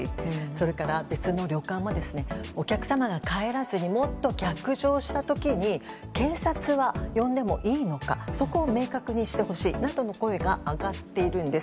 それから別の旅館はお客様が帰らずにもっと逆上した時に警察は呼んでもいいのかそこを明確にしてほしいなどの声が上がっているんです。